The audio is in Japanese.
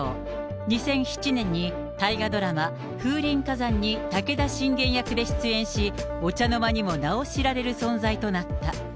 ２００７年に大河ドラマ、風林火山に武田信玄役で出演し、お茶の間にも名を知られる存在となった。